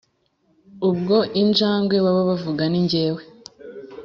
"ubwo injangwe baba bavuga ni jyewe